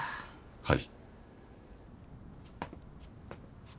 はい。